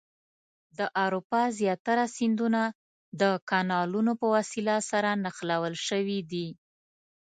د اروپا زیاتره سیندونه د کانالونو په وسیله سره نښلول شوي دي.